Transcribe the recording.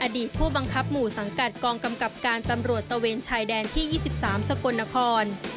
ผู้บังคับหมู่สังกัดกองกำกับการตำรวจตะเวนชายแดนที่๒๓สกลนคร